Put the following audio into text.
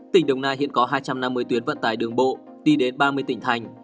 tỉnh đồng nai hiện có hai trăm năm mươi tuyến vận tải đường bộ đi đến ba mươi tỉnh thành